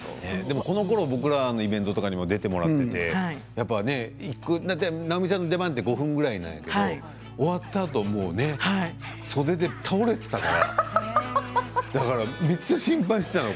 このころ僕らのイベントとかにも出てもらっていて直美ちゃんの出番って５分ぐらいなんだけど終わったあとね袖で倒れていたからめっちゃ心配していたの。